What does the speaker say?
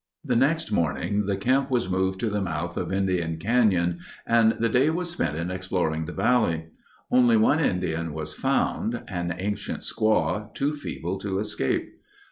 The next morning the camp was moved to the mouth of Indian Canyon, and the day was spent in exploring the valley. Only one Indian was found, an ancient squaw, too feeble to escape.